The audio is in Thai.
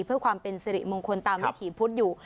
เพื่อความเป็นสิริมงคลตามวิถีพุทธอยู่